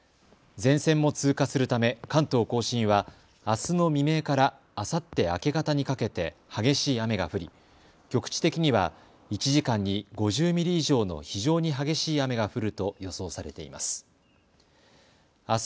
前線も通過するため関東甲信はあすの未明からあさって明け方にかけて激しい雨が降り、局地的には１時間に５０ミリ以上の非常に激しい雨が降ると予想されています。